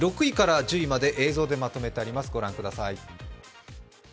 ６位から１０位まで映像でまとめてあります、御覧ください。